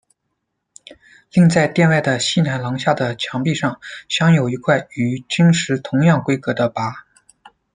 另在殿外的西南廊下的墙壁上镶有一块与经石同样规格的跋。